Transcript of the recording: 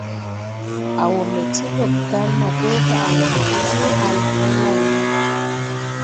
A wɔɔ ɓɛ ti lɔpital na dɔga a wɔ ɓɛ ni je halge ne lay no.